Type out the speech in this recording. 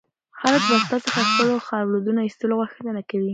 خلک به ستا څخه د خپلو اولادونو د ایستلو غوښتنه کوي.